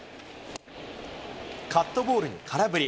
カットボールに空振り。